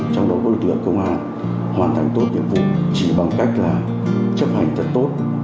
trong đó có lực lượng công an hoàn thành tốt nhiệm vụ chỉ bằng cách là chấp hành rất tốt